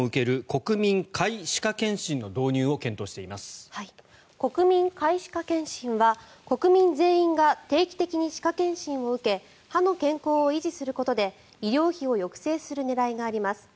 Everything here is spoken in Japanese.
国民皆歯科検診は国民全員が定期的に歯科検診を受け歯の健康を維持することで医療費を抑制する狙いがあります。